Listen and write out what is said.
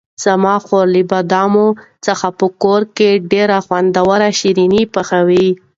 زما خور له بادامو څخه په کور کې ډېر خوندور شیریني پخوي.